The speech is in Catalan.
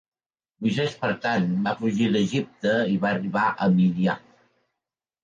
Moisès, per tant, va fugir d'Egipte i va arribar a Midian.